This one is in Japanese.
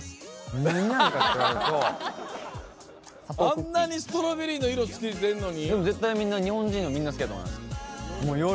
あんなにストロベリーの色ついてんのに？